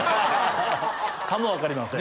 かも分かりません。